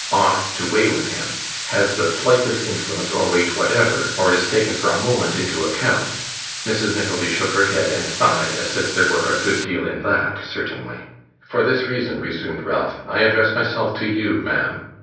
ought to weigh with him, has the slightest influence or weight whatever, or is taken for a moment into account.' Mrs. Nickleby shook her head and sighed, as if there were a good deal in that, certainly. 'For this reason,' resumed Ralph, 'I address myself to you, ma'am.